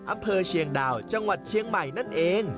อำเภอเชียงดาวจังหวัดเชียงใหม่นั่นเอง